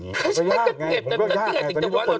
เกลียดอีกแต่ว่าเราจะเล่าข่าวอะไรอย่างนี้